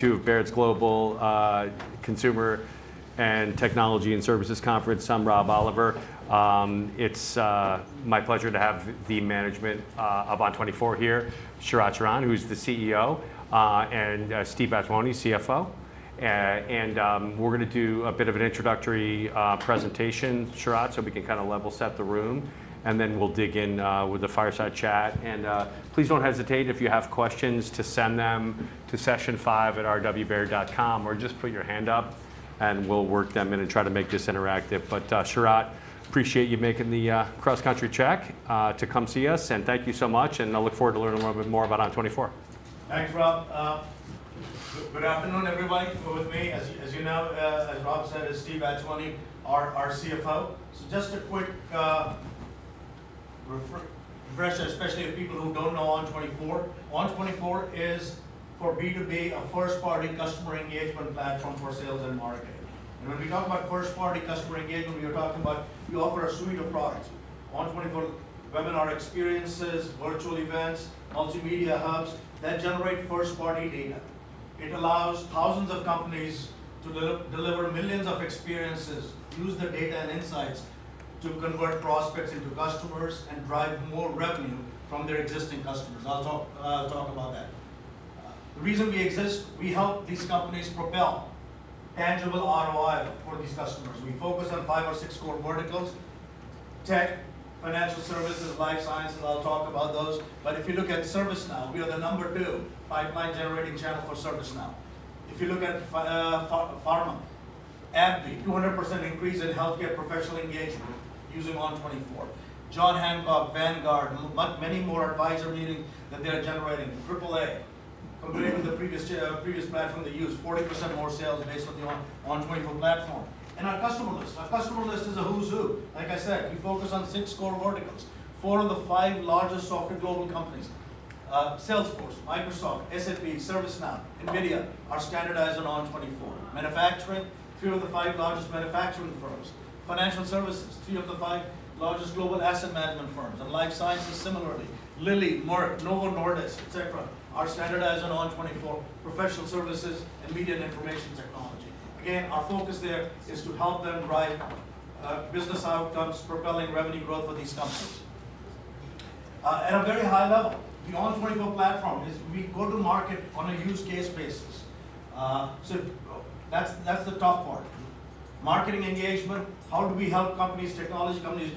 To Baird's Global Consumer and Technology and Services Conference. I'm Rob Oliver. It's my pleasure to have the management of ON24 here, Sharat Sharan, who's the CEO, and Steve Vattuone, CFO. We're going to do a bit of an introductory presentation, Sharat, so we can kind of level set the room. Then we'll dig in with the fireside chat. Please don't hesitate if you have questions to send them to session5@rwbaird.com or just put your hand up, and we'll work them in and try to make this interactive. Sharat, appreciate you making the cross-country check to come see us. Thank you so much. I look forward to learning a little bit more about ON24. Thanks, Rob. Good afternoon, everybody, for being with me. As you know, as Rob said, Steve Vattuone, our CFO. Just a quick refresher, especially for people who do not know ON24. ON24 is, for B2B, a first-party customer engagement platform for sales and marketing. When we talk about first-party customer engagement, we are talking about we offer a suite of products: ON24 Webinar Experiences, Virtual Events, Multimedia Hubs that generate first-party data. It allows thousands of companies to deliver millions of experiences, use the data and insights to convert prospects into customers, and drive more revenue from their existing customers. I will talk about that. The reason we exist, we help these companies propel tangible ROI for these customers. We focus on five or six core verticals: tech, financial services, life sciences. I will talk about those. If you look at ServiceNow, we are the number two pipeline generating channel for ServiceNow. If you look at pharma, AbbVie, 200% increase in healthcare professional engagement using ON24. John Hancock, Vanguard, many more advisor meetings that they are generating. AAA, compared to the previous platform they used, 40% more sales based on the ON24 platform. Our customer list is a who's who. Like I said, we focus on six core verticals, four of the five largest software global companies: Salesforce, Microsoft, SAP, ServiceNow, NVIDIA are standardized on ON24. Manufacturing, three of the five largest manufacturing firms. Financial services, three of the five largest global asset management firms. Life sciences similarly: Lilly, Merck, Novo Nordisk, et cetera, are standardized on ON24. Professional services, and media and information technology. Again, our focus there is to help them drive business outcomes, propelling revenue growth for these companies. At a very high level, the ON24 platform is we go to market on a use case basis. That is the top part. Marketing engagement, how do we help companies, technology companies,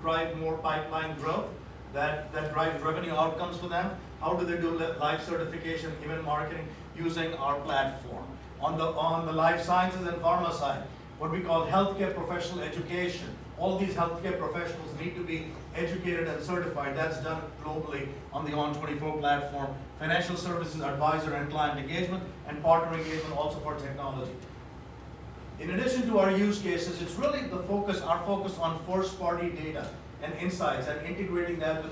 drive more pipeline growth that drives revenue outcomes for them? How do they do live certification, even marketing, using our platform? On the life sciences and pharma side, what we call healthcare professional education, all these healthcare professionals need to be educated and certified. That is done globally on the ON24 platform. Financial services, advisor and client engagement, and partner engagement also for technology. In addition to our use cases, it is really our focus on first-party data and insights and integrating that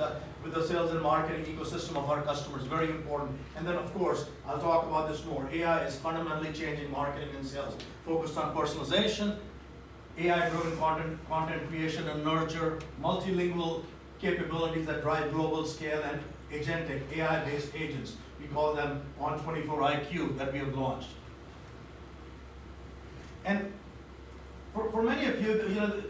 with the sales and marketing ecosystem of our customers. Very important. Of course, I will talk about this more. AI is fundamentally changing marketing and sales, focused on personalization, AI-driven content creation and nurture, multilingual capabilities that drive global scale, and agentic AI-based agents. We call them ON24 IQ that we have launched. For many of you,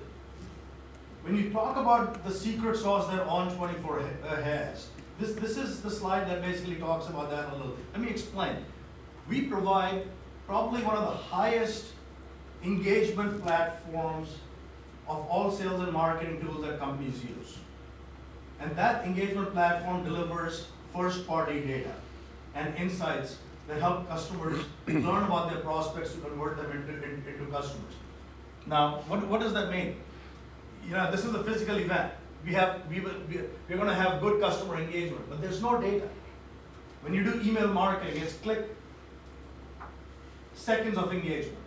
when you talk about the secret sauce that ON24 has, this is the slide that basically talks about that a little bit. Let me explain. We provide probably one of the highest engagement platforms of all sales and marketing tools that companies use. That engagement platform delivers first-party data and insights that help customers learn about their prospects to convert them into customers. Now, what does that mean? This is a physical event. We're going to have good customer engagement. There's no data. When you do email marketing, it's click, seconds of engagement.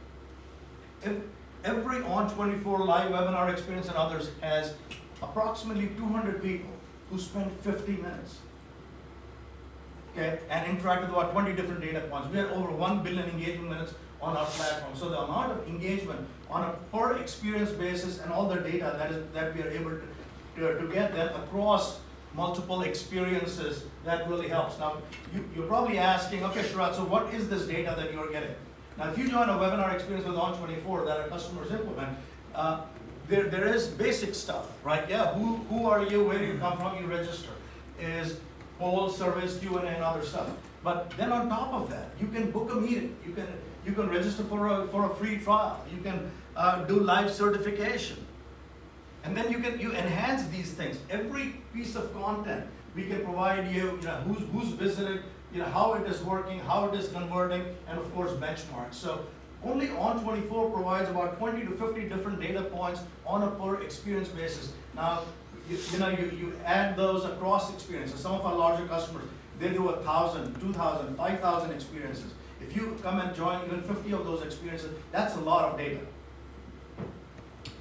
Every ON24 live webinar experience and others has approximately 200 people who spend 50 minutes and interact with about 20 different data points. We have over 1 billion engagement minutes on our platform. The amount of engagement on a per experience basis and all the data that we are able to get them across multiple experiences, that really helps. Now, you're probably asking, "Okay, Sharat, so what is this data that you are getting?" Now, if you join a webinar experience with ON24 that our customers implement, there is basic stuff, right? Yeah, who are you? Where do you come from? You register. Is polls, surveys, Q&A, and other stuff. Then on top of that, you can book a meeting. You can register for a free trial. You can do live certification. Then you enhance these things. Every piece of content we can provide you, who's visited, how it is working, how it is converting, and of course, benchmarks. Only ON24 provides about 20-50 different data points on a per experience basis. Now, you add those across experiences. Some of our larger customers, they do 1,000, 2,000, 5,000 experiences. If you come and join even 50 of those experiences, that's a lot of data.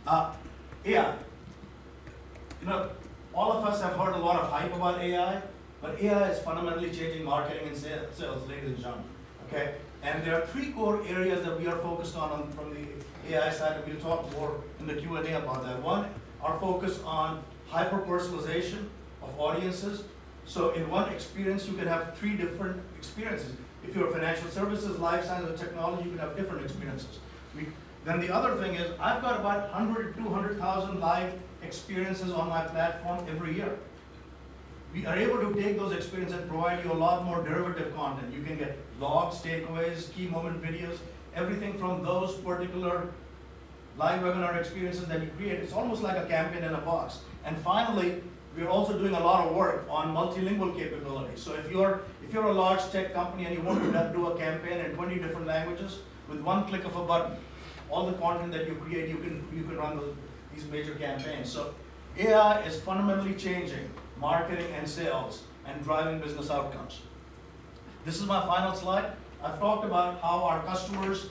AI, all of us have heard a lot of hype about AI, but AI is fundamentally changing marketing and sales, ladies and gentlemen. There are three core areas that we are focused on from the AI side, and we'll talk more in the Q&A about that. One, our focus on hyper-personalization of audiences. In one experience, you can have three different experiences. If you're a financial services, life science, or technology, you can have different experiences. The other thing is, I've got about 100,000-200,000 live experiences on my platform every year. We are able to take those experiences and provide you a lot more derivative content. You can get logs, takeaways, key moment videos, everything from those particular live webinar experiences that you create. It's almost like a campaign in a box. Finally, we're also doing a lot of work on multilingual capability. If you're a large tech company and you want to do a campaign in 20 different languages with one click of a button, all the content that you create, you can run these major campaigns. AI is fundamentally changing marketing and sales and driving business outcomes. This is my final slide. I've talked about how our customers,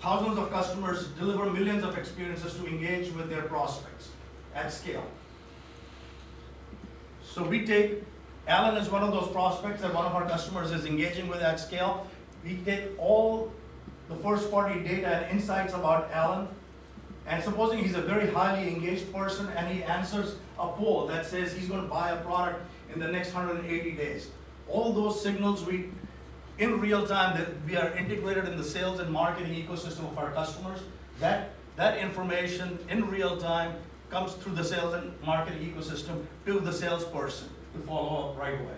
thousands of customers, deliver millions of experiences to engage with their prospects at scale. We take Allen as one of those prospects that one of our customers is engaging with at scale. We take all the first-party data and insights about Allen. Supposing he's a very highly engaged person and he answers a poll that says he's going to buy a product in the next 180 days, all those signals in real time that we are integrated in the sales and marketing ecosystem of our customers, that information in real time comes through the sales and marketing ecosystem to the salesperson to follow up right away.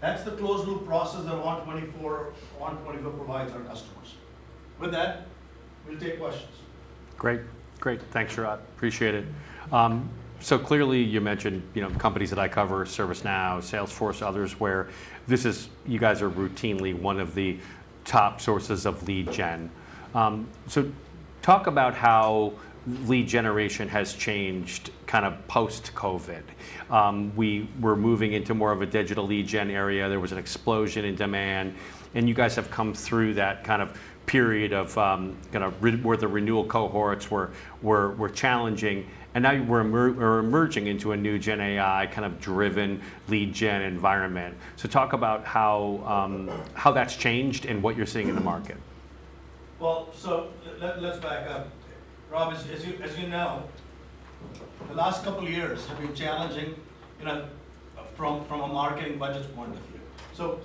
That's the closed-loop process that ON24 provides our customers. With that, we'll take questions. Great. Great. Thanks, Sharat. Appreciate it. Clearly, you mentioned companies that I cover, ServiceNow, Salesforce, others, where you guys are routinely one of the top sources of lead gen. Talk about how lead generation has changed kind of post-COVID. We were moving into more of a digital lead gen area. There was an explosion in demand. You guys have come through that kind of period of where the renewal cohorts were challenging. Now you are emerging into a new gen AI kind of driven lead gen environment. Talk about how that's changed and what you're seeing in the market. Let's back up. Rob, as you know, the last couple of years have been challenging from a marketing budget point of view.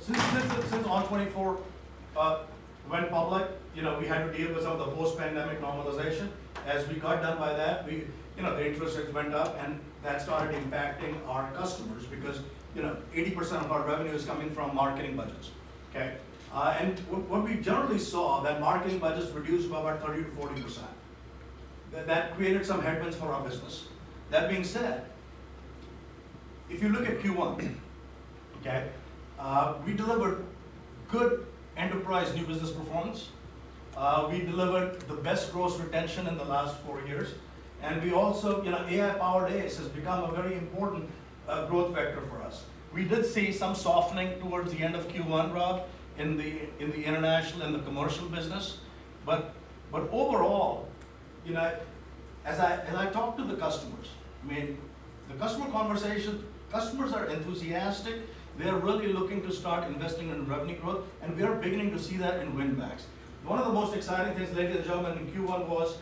Since ON24 went public, we had to deal with some of the post-pandemic normalization. As we got done by that, interest rates went up, and that started impacting our customers because 80% of our revenue is coming from marketing budgets. What we generally saw is that marketing budgets reduced by about 30%-40%. That created some headwinds for our business. That being said, if you look at Q1, we delivered good enterprise new business performance. We delivered the best gross retention in the last four years. Also, AI-powered ACE has become a very important growth factor for us. We did see some softening towards the end of Q1, Rob, in the international and the commercial business. Overall, as I talk to the customers, I mean, the customer conversation, customers are enthusiastic. They're really looking to start investing in revenue growth. We are beginning to see that in win-backs. One of the most exciting things, ladies and gentlemen, in Q1 was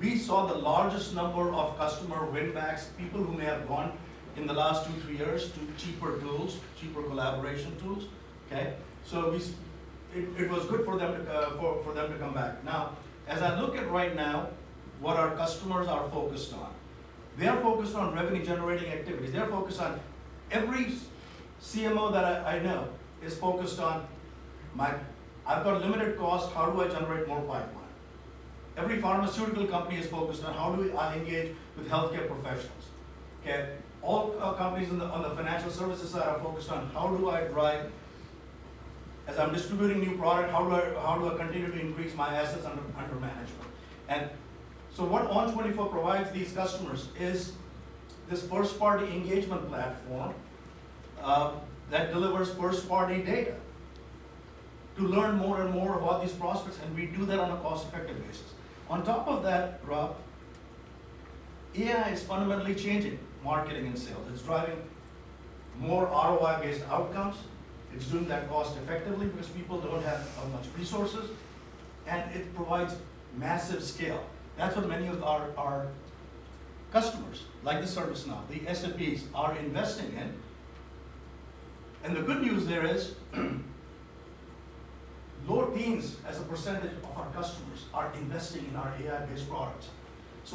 we saw the largest number of customer win-backs, people who may have gone in the last two, three years to cheaper tools, cheaper collaboration tools. It was good for them to come back. Now, as I look at right now, what our customers are focused on, they are focused on revenue-generating activities. They're focused on every CMO that I know is focused on, "I've got limited cost. How do I generate more pipeline? Every pharmaceutical company is focused on, "How do I engage with healthcare professionals?" All companies on the financial services side are focused on, "How do I drive, as I'm distributing new product, how do I continue to increase my assets under management?" What ON24 provides these customers is this first-party engagement platform that delivers first-party data to learn more and more about these prospects. We do that on a cost-effective basis. On top of that, Rob, AI is fundamentally changing marketing and sales. It's driving more ROI-based outcomes. It's doing that cost-effectively because people don't have much resources. It provides massive scale. That's what many of our customers, like ServiceNow, the SAP, are investing in. The good news there is lower teams as a percentage of our customers are investing in our AI-based products.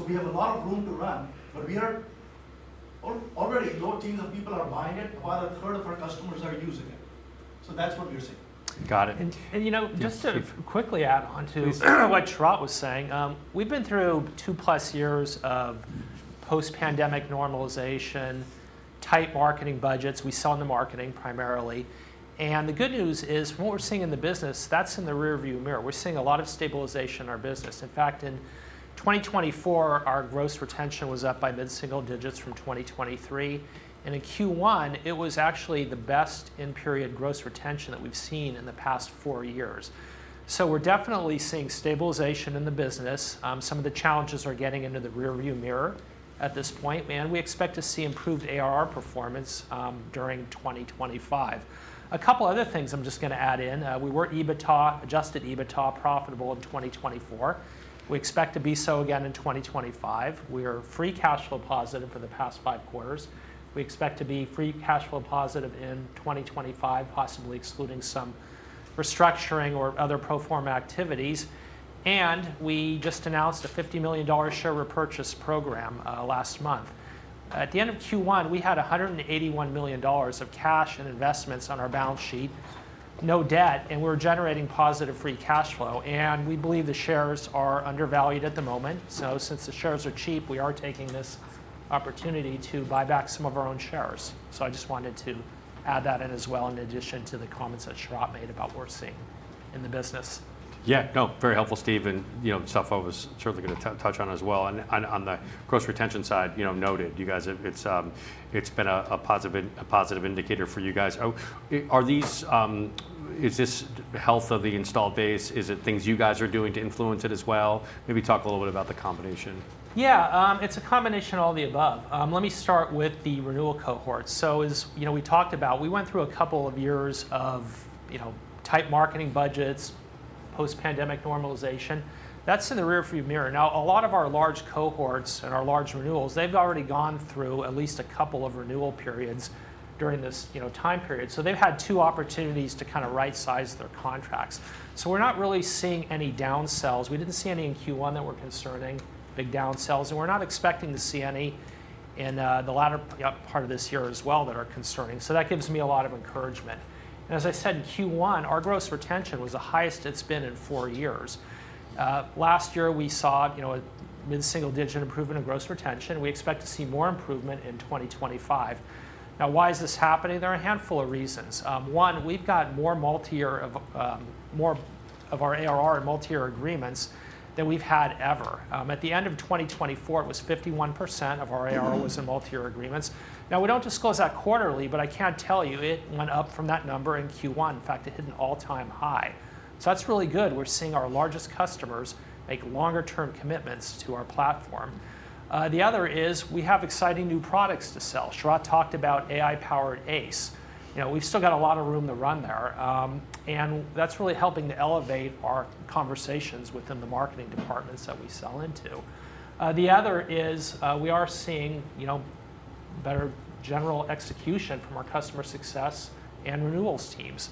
We have a lot of room to run. Already, lower teams of people are buying it. About a third of our customers are using it. That's what we're seeing. Got it. Just to quickly add on to what Sharat was saying, we've been through two-plus years of post-pandemic normalization, tight marketing budgets. We saw in the marketing primarily. The good news is, from what we're seeing in the business, that's in the rearview mirror. We're seeing a lot of stabilization in our business. In fact, in 2024, our gross retention was up by mid-single digits from 2023. In Q1, it was actually the best in-period gross retention that we've seen in the past four years. We are definitely seeing stabilization in the business. Some of the challenges are getting into the rearview mirror at this point. We expect to see improved ARR performance during 2025. A couple of other things I'm just going to add in. We were adjusted EBITDA profitable in 2024. We expect to be so again in 2025. We are free cash flow positive for the past five quarters. We expect to be free cash flow positive in 2025, possibly excluding some restructuring or other pro forma activities. We just announced a $50 million share repurchase program last month. At the end of Q1, we had $181 million of cash and investments on our balance sheet, no debt. We are generating positive free cash flow. We believe the shares are undervalued at the moment. Since the shares are cheap, we are taking this opportunity to buy back some of our own shares. I just wanted to add that in as well, in addition to the comments that Sharat made about what we are seeing in the business. Yeah. No, very helpful, Steve. And stuff I was certainly going to touch on as well. On the gross retention side, noted, it's been a positive indicator for you guys. Is this health of the installed base? Is it things you guys are doing to influence it as well? Maybe talk a little bit about the combination. Yeah. It's a combination of all the above. Let me start with the renewal cohorts. As we talked about, we went through a couple of years of tight marketing budgets, post-pandemic normalization. That's in the rearview mirror. Now, a lot of our large cohorts and our large renewals, they've already gone through at least a couple of renewal periods during this time period. They've had two opportunities to kind of right-size their contracts. We're not really seeing any downsells. We didn't see any in Q1 that were concerning, big downsells. We're not expecting to see any in the latter part of this year as well that are concerning. That gives me a lot of encouragement. As I said, in Q1, our gross retention was the highest it has been in four years. Last year, we saw a mid-single digit improvement in gross retention. We expect to see more improvement in 2025. Now, why is this happening? There are a handful of reasons. One, we have more of our ARR in multi-year agreements than we have ever had. At the end of 2024, 51% of our ARR was in multi-year agreements. We do not disclose that quarterly, but I can tell you it went up from that number in Q1. In fact, it hit an all-time high. That is really good. We are seeing our largest customers make longer-term commitments to our platform. The other is we have exciting new products to sell. Sharat talked about AI-powered ACE. We've still got a lot of room to run there. That is really helping to elevate our conversations within the marketing departments that we sell into. The other is we are seeing better general execution from our customer success and renewals teams.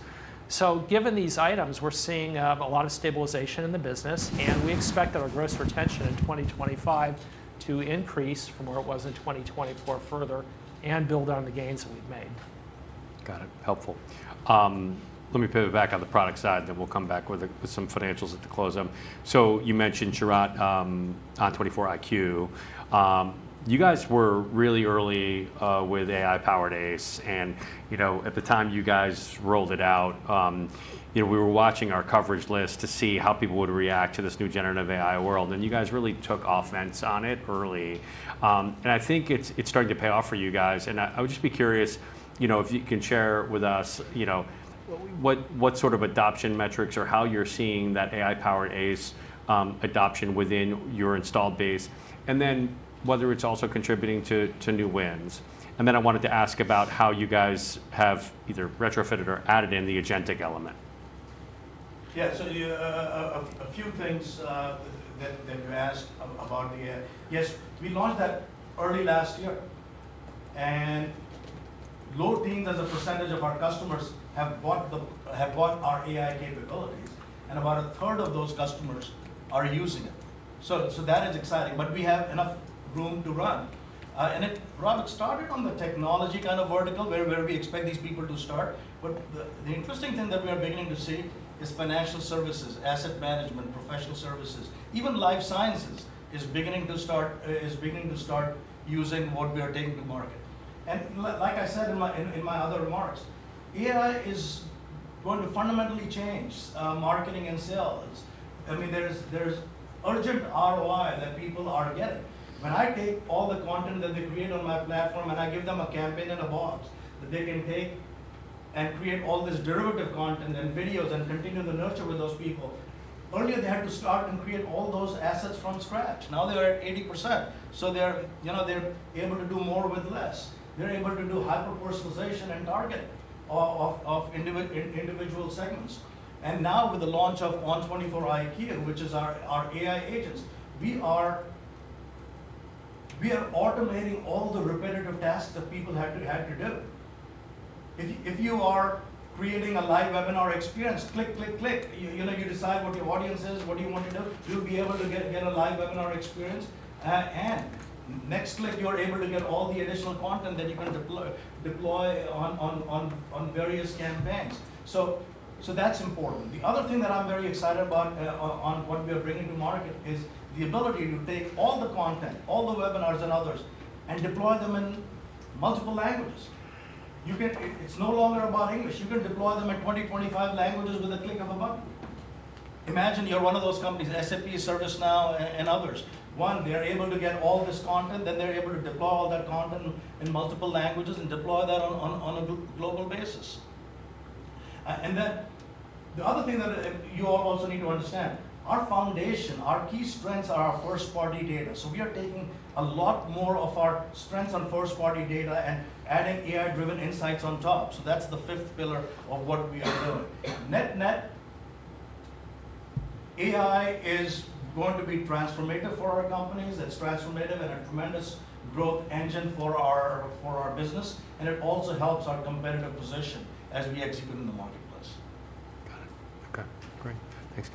Given these items, we're seeing a lot of stabilization in the business. We expect that our gross retention in 2025 to increase from where it was in 2024 further and build on the gains that we've made. Got it. Helpful. Let me pivot back on the product side, and then we'll come back with some financials at the close. You mentioned Sharat, ON24 IQ. You guys were really early with AI-powered ACE. At the time you guys rolled it out, we were watching our coverage list to see how people would react to this new generative AI world. You guys really took offense on it early. I think it's starting to pay off for you guys. I would just be curious if you can share with us what sort of adoption metrics or how you're seeing that AI-powered ACE adoption within your installed base, and then whether it's also contributing to new wins. I wanted to ask about how you guys have either retrofitted or added in the agentic element. Yeah. A few things that you asked about the AI, yes, we launched that early last year. Lower teams as a percentage of our customers have bought our AI capabilities. About a third of those customers are using it. That is exciting. We have enough room to run. Rob, it started on the technology kind of vertical where we expect these people to start. The interesting thing that we are beginning to see is financial services, asset management, professional services, even life sciences is beginning to start using what we are taking to market. Like I said in my other remarks, AI is going to fundamentally change marketing and sales. I mean, there is urgent ROI that people are getting. When I take all the content that they create on my platform and I give them a campaign and a box that they can take and create all this derivative content and videos and continue the nurture with those people, earlier they had to start and create all those assets from scratch. Now they are at 80%. They are able to do more with less. They are able to do hyper-personalization and targeting of individual segments. Now with the launch of ON24 IQ, which is our AI agents, we are automating all the repetitive tasks that people had to do. If you are creating a live webinar experience, click, click, click, you decide what your audience is, what do you want to do, you will be able to get a live webinar experience. Next click, you are able to get all the additional content that you can deploy on various campaigns. That's important. The other thing that I'm very excited about on what we are bringing to market is the ability to take all the content, all the webinars and others, and deploy them in multiple languages. It's no longer about English. You can deploy them in 20-25 languages with a click of a button. Imagine you're one of those companies, SAP, ServiceNow, and others. One, they are able to get all this content. Then they're able to deploy all that content in multiple languages and deploy that on a global basis. The other thing that you all also need to understand, our foundation, our key strengths are our first-party data. We are taking a lot more of our strengths on first-party data and adding AI-driven insights on top. That's the fifth pillar of what we are doing. NetRet, AI is going to be transformative for our companies. It is transformative and a tremendous growth engine for our business. It also helps our competitive position as we execute in the marketplace. Got it. OK. Great. Thanks.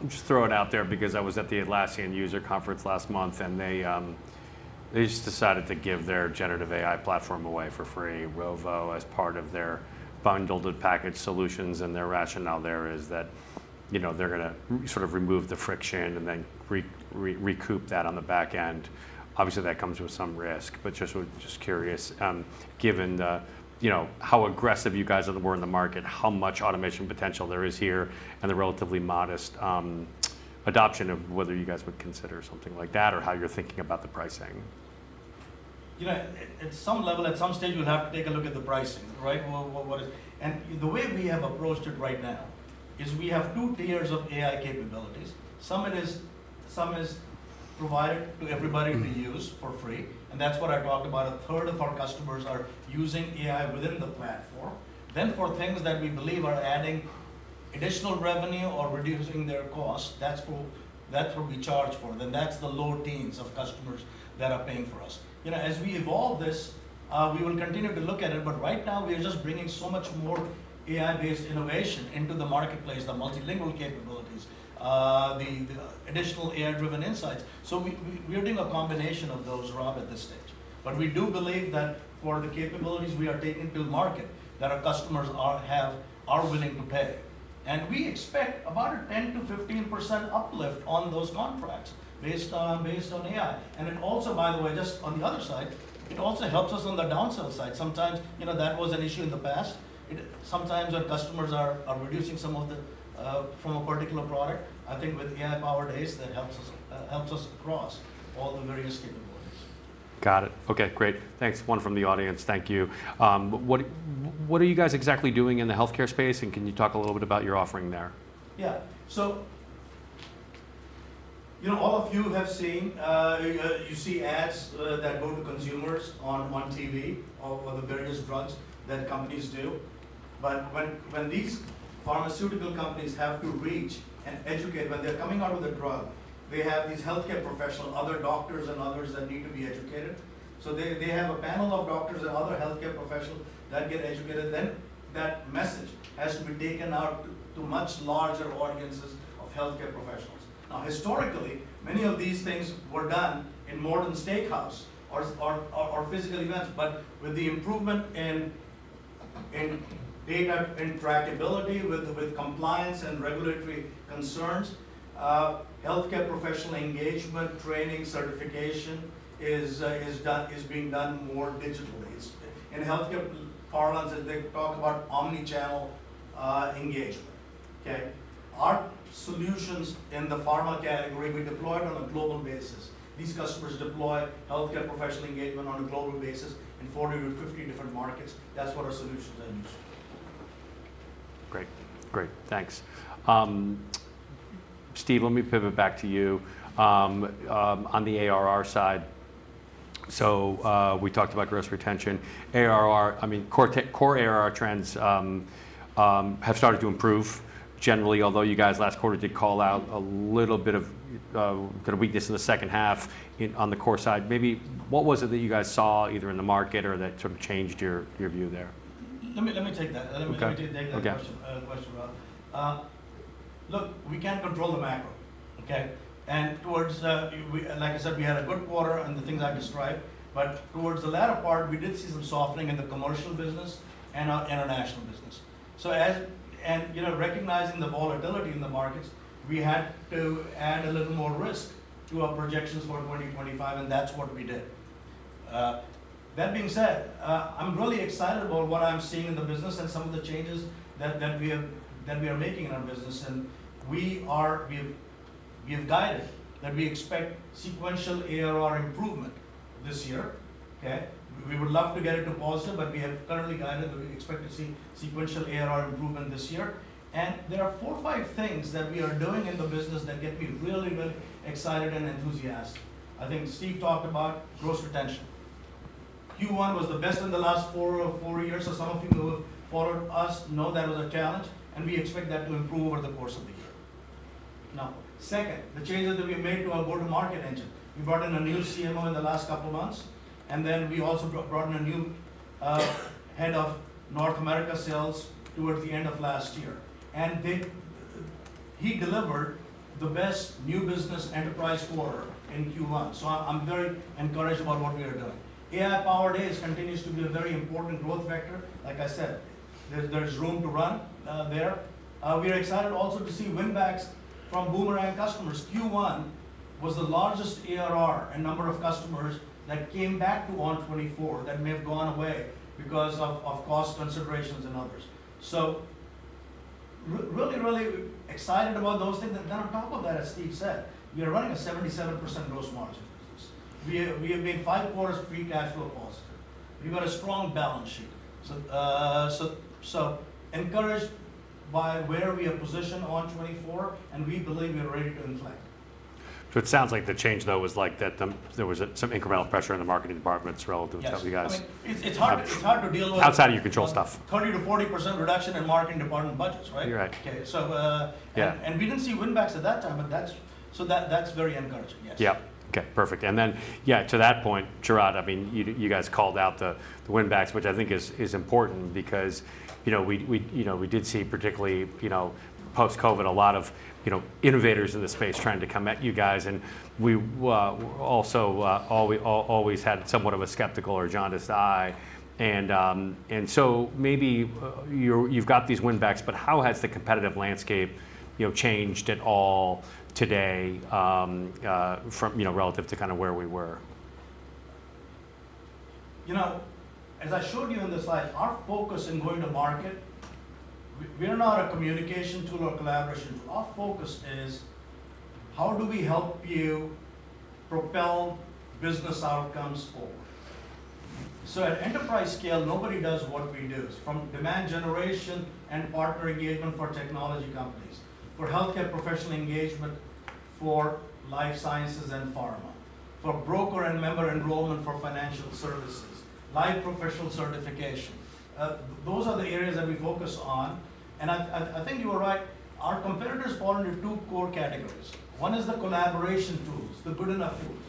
I'll just throw it out there because I was at the Atlassian user conference last month. They just decided to give their generative AI platform away for free, Rovo, as part of their bundled package solutions. Their rationale there is that they're going to sort of remove the friction and then recoup that on the back end. Obviously, that comes with some risk. Just curious, given how aggressive you guys were in the market, how much automation potential there is here, and the relatively modest adoption of whether you guys would consider something like that or how you're thinking about the pricing. At some level, at some stage, we'll have to take a look at the pricing. The way we have approached it right now is we have two Tiers of AI capabilities. Some is provided to everybody to use for free. That's what I talked about. A third of our customers are using AI within the platform. For things that we believe are adding additional revenue or reducing their cost, that's what we charge for. That's the low teens of customers that are paying for us. As we evolve this, we will continue to look at it. Right now, we are just bringing so much more AI-based innovation into the marketplace, the multilingual capabilities, the additional AI-driven insights. We are doing a combination of those, Rob, at this stage. We do believe that for the capabilities we are taking to market that our customers are willing to pay. We expect about a 10%-15% uplift on those contracts based on AI. It also, by the way, just on the other side, helps us on the downsell side. Sometimes that was an issue in the past. Sometimes our customers are reducing some of the from a particular product. I think with AI-powered ACE, that helps us across all the various capabilities. Got it. OK. Great. Thanks. One from the audience. Thank you. What are you guys exactly doing in the health care space? Can you talk a little bit about your offering there? Yeah. So all of you have seen, you see ads that go to consumers on TV of the various drugs that companies do. When these pharmaceutical companies have to reach and educate, when they're coming out with a drug, they have these health care professionals, other doctors, and others that need to be educated. They have a panel of doctors and other health care professionals that get educated. That message has to be taken out to much larger audiences of health care professionals. Historically, many of these things were done in modern steakhouses or physical events. With the improvement in data intractability, with compliance and regulatory concerns, health care professional engagement, training, certification is being done more digitally. In health care, as they talk about omnichannel engagement. Our solutions in the pharma category, we deploy it on a global basis. These customers deploy health care professional engagement on a global basis in 40-50 different markets. That's what our solutions are used. Great. Great. Thanks. Steve, let me pivot back to you. On the ARR side, so we talked about gross retention. I mean, core ARR trends have started to improve generally, although you guys last quarter did call out a little bit of weakness in the second half on the core side. Maybe what was it that you guys saw either in the market or that sort of changed your view there? Let me take that. Let me take that question, Rob. Look, we cannot control the macro. Like I said, we had a good quarter and the things I described. Towards the latter part, we did see some softening in the commercial business and our international business. Recognizing the volatility in the markets, we had to add a little more risk to our projections for 2025. That is what we did. That being said, I am really excited about what I am seeing in the business and some of the changes that we are making in our business. We have guided that we expect sequential ARR improvement this year. We would love to get it to positive. We have currently guided that we expect to see sequential ARR improvement this year. There are four or five things that we are doing in the business that get me really, really excited and enthusiastic. I think Steve talked about gross retention. Q1 was the best in the last four years. Some of you who have followed us know that was a challenge. We expect that to improve over the course of the year. Second, the changes that we made to our go-to-market engine. We brought in a new CMO in the last couple of months. We also brought in a new head of North America sales towards the end of last year. He delivered the best new business enterprise quarter in Q1. I'm very encouraged about what we are doing. AI-powered ACE continues to be a very important growth vector. Like I said, there's room to run there. We are excited also to see win-backs from boomerang customers. Q1 was the largest ARR in number of customers that came back to ON24 that may have gone away because of cost considerations and others. Really, really excited about those things. On top of that, as Steve said, we are running a 77% gross margin business. We have made five quarters pre-cash flow positive. We've got a strong balance sheet. Encouraged by where we are positioned on ON24. We believe we are ready to inflect. It sounds like the change, though, was like that there was some incremental pressure in the marketing departments relative to some of you guys. It's hard to deal with. Outside of your control stuff. 30%-40% reduction in marketing department budgets, right? You're right. We did not see win-backs at that time. That is very encouraging, yes. Yeah. OK. Perfect. And then, yeah, to that point, Sharat, I mean, you guys called out the win-backs, which I think is important because we did see, particularly post-COVID, a lot of innovators in the space trying to come at you guys. And we also always had somewhat of a skeptical or jaundiced eye. And so maybe you've got these win-backs. But how has the competitive landscape changed at all today relative to kind of where we were? As I showed you in the slides, our focus in going to market, we are not a communication tool or collaboration tool. Our focus is how do we help you propel business outcomes forward. At enterprise scale, nobody does what we do from demand generation and partner engagement for technology companies, for health care professional engagement, for life sciences and pharma, for broker and member enrollment for financial services, live professional certification. Those are the areas that we focus on. I think you were right. Our competitors fall into two core categories. One is the collaboration tools, the good enough tools.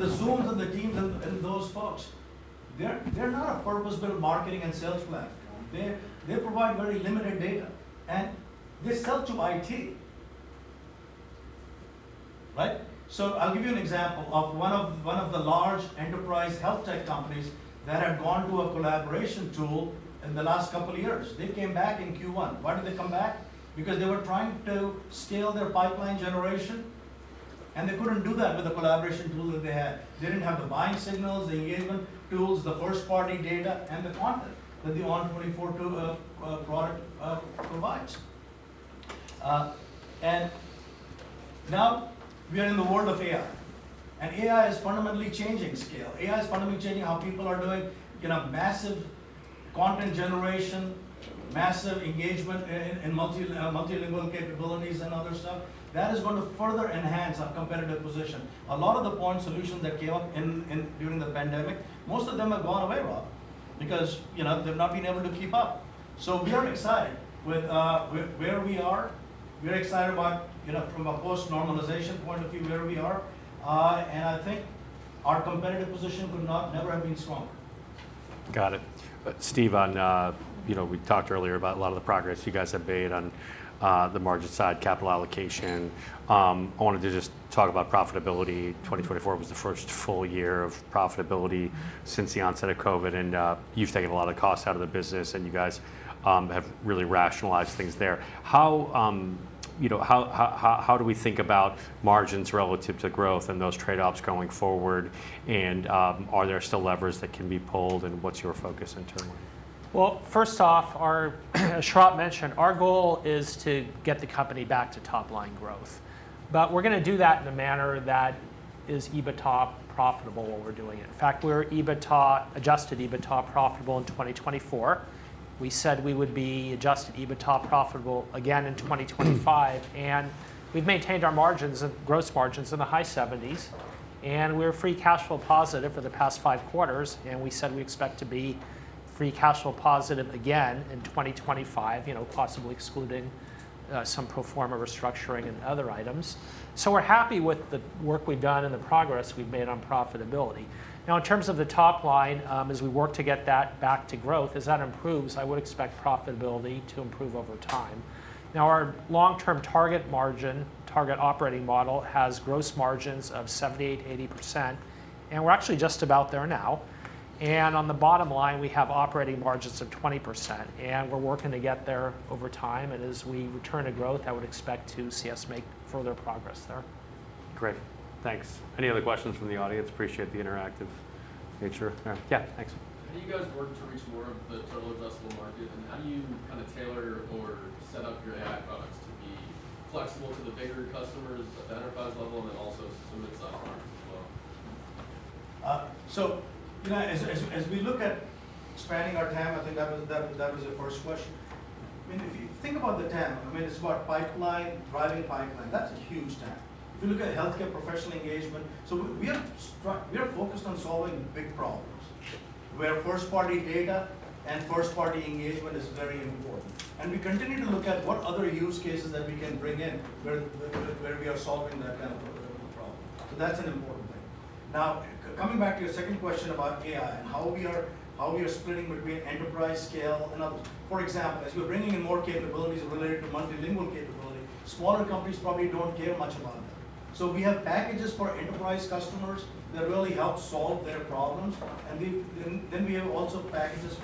The Zooms and the Teams and those folks, they're not a purpose-built marketing and sales plan. They provide very limited data. They sell to IT. I'll give you an example of one of the large enterprise health tech companies that have gone to a collaboration tool in the last couple of years. They came back in Q1. Why did they come back? Because they were trying to scale their pipeline generation. They couldn't do that with the collaboration tool that they had. They didn't have the buying signals, the engagement tools, the first-party data, and the content that the ON24 product provides. Now we are in the world of AI. AI is fundamentally changing scale. AI is fundamentally changing how people are doing massive content generation, massive engagement, and multilingual capabilities and other stuff. That is going to further enhance our competitive position. A lot of the point solutions that came up during the pandemic, most of them have gone away, Rob, because they've not been able to keep up. We are excited with where we are. We're excited about, from a post-normalization point of view, where we are. I think our competitive position could never have been stronger. Got it. Steve, we talked earlier about a lot of the progress you guys have made on the margin side, capital allocation. I wanted to just talk about profitability. 2024 was the first full year of profitability since the onset of COVID. And you've taken a lot of costs out of the business. And you guys have really rationalized things there. How do we think about margins relative to growth and those trade-offs going forward? And are there still levers that can be pulled? And what's your focus internally? First off, as Sharat mentioned, our goal is to get the company back to top-line growth. We are going to do that in a manner that is EBITDA-profitable while we are doing it. In fact, we are EBITDA, adjusted EBITDA-profitable in 2024. We said we would be adjusted EBITDA-profitable again in 2025. We have maintained our margins and gross margins in the high 70s. We were free cash flow positive for the past five quarters. We said we expect to be free cash flow positive again in 2025, possibly excluding some pro forma restructuring and other items. We are happy with the work we have done and the progress we have made on profitability. In terms of the top line, as we work to get that back to growth, as that improves, I would expect profitability to improve over time. Now, our long-term target margin, target operating model has gross margins of 78%-80%. We're actually just about there now. On the bottom line, we have operating margins of 20%. We're working to get there over time. As we return to growth, I would expect to see us make further progress there. Great. Thanks. Any other questions from the audience? Appreciate the interactive nature. Yeah. Thanks. How do you guys work to reach more of the total addressable market? How do you kind of tailor or set up your AI products to be flexible to the bigger customers at the enterprise level and then also some of the sub-markets as well? As we look at expanding our TAM, I think that was the first question. If you think about the TAM, it's about pipeline, driving pipeline. That's a huge TAM. If you look at health care professional engagement, we are focused on solving big problems where first-party data and first-party engagement is very important. We continue to look at what other use cases that we can bring in where we are solving that kind of problem. That's an important thing. Now, coming back to your second question about AI and how we are splitting between enterprise scale and others. For example, as we're bringing in more capabilities related to multilingual capability, smaller companies probably don't care much about that. We have packages for enterprise customers that really help solve their problems. We have also packages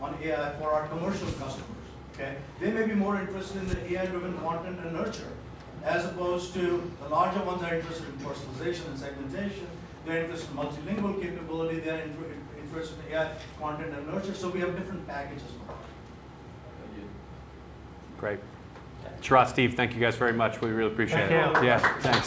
on AI for our commercial customers. They may be more interested in the AI-driven content and nurture as opposed to the larger ones that are interested in personalization and segmentation. They're interested in multilingual capability. They're interested in AI content and nurture. We have different packages for that. Thank you. Great. Sharat, Steve, thank you guys very much. We really appreciate it. Thank you. Yeah. Thanks.